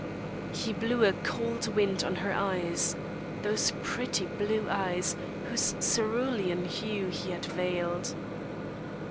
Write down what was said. He blew a "cold wind" on her eyes those pretty blue eyes, whose cerulean hue he had veiled.